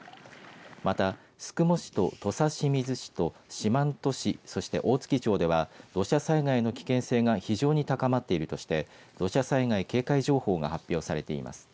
また宿毛市と土佐清水市と四万十市、そして大月町では土砂災害の危険性が非常に高まっているとして土砂災害警戒情報が発表されています。